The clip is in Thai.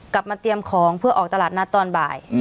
กลับมาเตรียมของเพื่อออกตลาดนัดตอนบ่าย